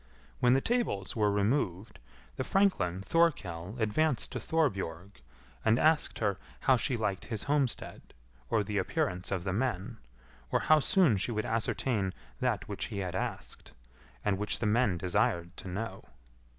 When the tables were removed, the franklin Thorkell advanced to Thorbjorg and asked her how she liked his homestead, or the appearance of the men; or how soon she would ascertain that which he had asked, and which the men desired to know.